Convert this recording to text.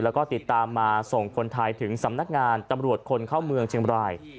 แล้วก็ติดตามมาส่งคนไทยถึงสำนักงานตำรวจคนเข้าเมืองเชียงบราย